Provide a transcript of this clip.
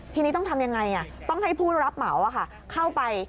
ทีนี้ต้องทำยังไงต้องให้ผู้รับเหมาเข้าไป